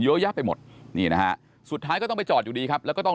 เยอะแยะไปหมดนี่นะฮะสุดท้ายก็ต้องไปจอดอยู่ดีครับแล้วก็ต้อง